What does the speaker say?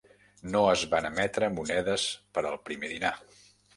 No es van emetre monedes per al primer dinar.